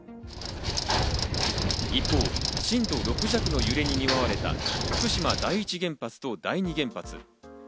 一方、震度６弱の揺れに見舞われた福島第一原発と第二原発。